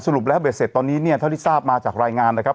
รุปแล้วเบ็ดเสร็จตอนนี้เนี่ยเท่าที่ทราบมาจากรายงานนะครับ